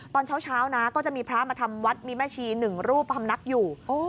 ตอนเช้าเช้านะก็จะมีพระมาธรรมวัดมีแม่ชีหนึ่งรูปธรรมนักอยู่โอ้